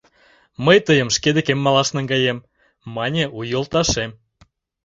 «Мый тыйым шке декем малаш наҥгаем», — мане у йолташем.